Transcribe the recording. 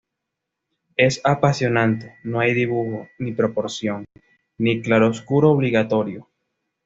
Es apasionante, no hay dibujo, ni proporción, ni claroscuro obligatorio.